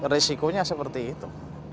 risikonya seperti itu